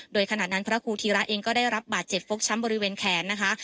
โดยขณะนั้นพระครูธีระเองก็ได้รับบาดเจ็บฟกช้ำบริเวณแขนนะคะ